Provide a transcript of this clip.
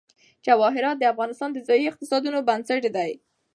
جواهرات د افغانستان د ځایي اقتصادونو بنسټ دی.